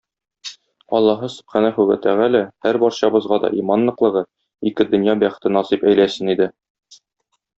Аллаһы Сөбхәнәһү вә Тәгалә һәрбарчабызга да иман ныклыгы, ике дөнья бәхете насыйп әйләсен иде.